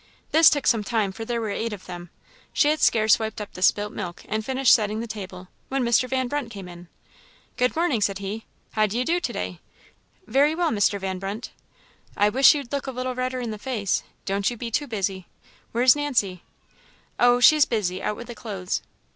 This took some time, for there were eight of them. She had scarce wiped up the spilt milk and finished setting the table, when Mr. Van Brunt came in. "Good morning!" said he. "How d'ye do to day?" "Very well, Mr. Van Brunt." "I wish you'd look a little redder in the face. Don't you be too busy. Where's Nancy?" "Oh, she's busy, out with the clothes."